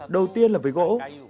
đầu tiên là với gỗ